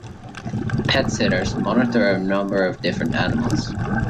Pet sitters monitor a number of different animals.